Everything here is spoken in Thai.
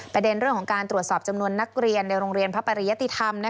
ประเด็นเรื่องของการตรวจสอบจำนวนนักเรียนในโรงเรียนพระปริยติธรรม